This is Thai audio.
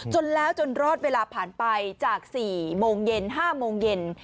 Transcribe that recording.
จนแล้วจนรอดเวลาผ่านไปจาก๔โมงเย็น๕โมงเย็น